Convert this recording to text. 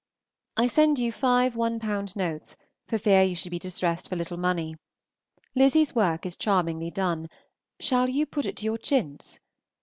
I send you five one pound notes, for fear you should be distressed for little money. Lizzy's work is charmingly done; shall you put it to your chintz?